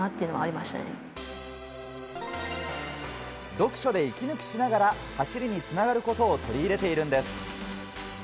読書で息抜きしながら走りに繋がることを取り入れているのです。